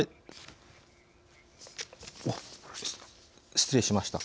失礼しました。